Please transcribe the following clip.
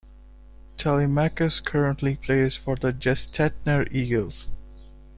Telemachus currently plays for the Gestetner Eagles.